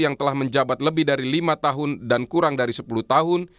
yang telah menjabat lebih dari lima tahun dan kurang dari sepuluh tahun